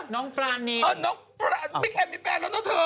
น้องปรานินน้องปรานินบิ๊กแอมม์มีแฟนแล้วนะเธอ